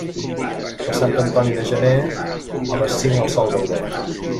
Per Sant Antoni de gener, a les cinc el sol veuré.